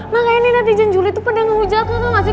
makanya ini netizen juli tuh pada ngehujat lo tau gak sih